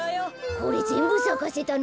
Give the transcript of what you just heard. これぜんぶさかせたの？